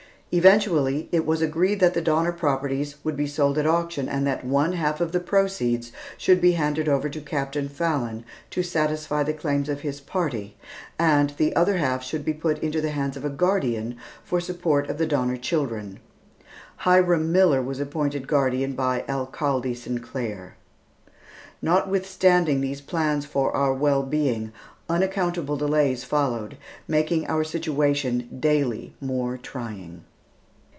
Eventually, it was agreed that the Donner properties should be sold at auction, and that "one half of the proceeds should be handed over to Captain Fallon to satisfy the claims of his party, and the other half should be put into the hands of a guardian for the support of the Donner children." Hiram Miller was appointed guardian by Alcalde Sinclair. Notwithstanding these plans for our well being, unaccountable delays followed, making our situation daily more trying.